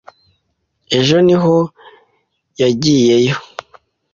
Ejo niho yagiyeyo.